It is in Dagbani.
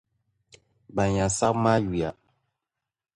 Bɛn yɛn sabi maa yuya.